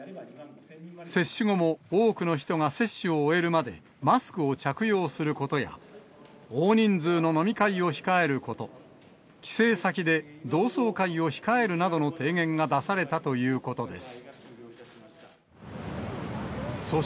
接種後も多くの人が接種を終えるまでマスクを着用することや、大人数の飲み会を控えること、帰省先で同窓会を控えるなどの提言が出されたということです。